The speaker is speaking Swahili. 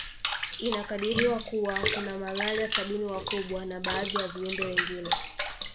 Inakadiriwa Kuwa kuna mamalia sabini wakubwa na baadhi ya viumbe wengine